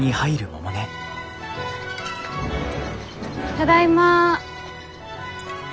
ただいま。